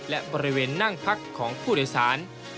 และบริเวณนั่งพักของผู้โดยสาร